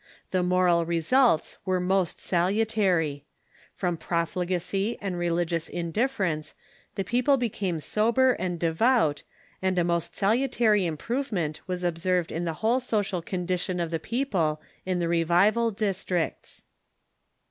The moral results Avere most salutary. From REVIVAL AT THE BEGINNING OF THE CENTURY 505 profligacy and religious indifference, the people became sober and devout, and a most salutary improvement was observed in the whole social condition of the people in the revival districts.